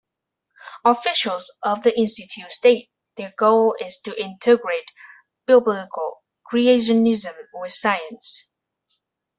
Officials of the institute state their goal is to integrate Biblical creationism with science.